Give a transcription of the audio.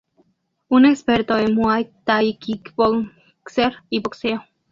Experto en Muay Thai kickboxer y boxeo.